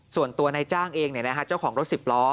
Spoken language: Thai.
ส่วนตัวนายจ้างเองเจ้าของรถ๑๐ล้อ